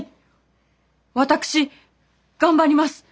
私頑張ります！